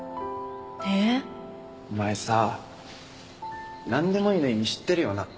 えー！お前さなんでもいいの意味知ってるよな？